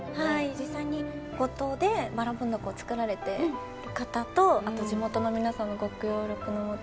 実際に五島でばらもん凧を作られてる方とあと地元の皆さんのご協力のもと。